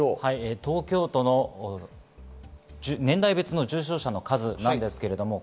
東京都の年代別の重症者の数です。